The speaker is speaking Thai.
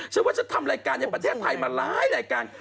ฉันว่าฉันทำรายการในประเทศไทยมาหลายรายการ